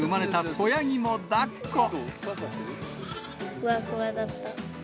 ふわふわだった。